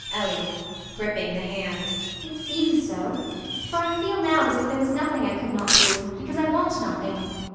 ELLIE [gripping the hand]. It seems so; for I feel now as if there was nothing I could not do, because I want nothing.